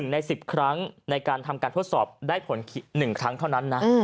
ใน๑๐ครั้งในการทำการทดสอบได้ผล๑ครั้งเท่านั้นนะ